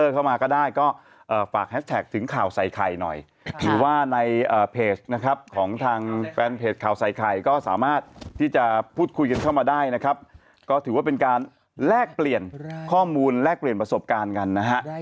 ก็ถือว่าเป็นการแลกเปลี่ยนข้อมูลแลกเปลี่ยนประสบการณ์กันนะฮะ